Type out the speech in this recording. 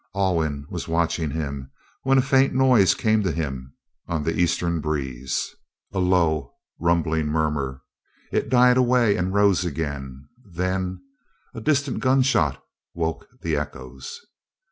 Alwyn was watching him when a faint noise came to him on the eastern breeze a low, rumbling murmur. It died away, and rose again; then a distant gun shot woke the echoes.